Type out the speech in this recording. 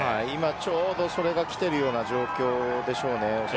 ちょうどそれがきている状況でしょう。